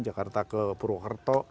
jakarta ke purwokerto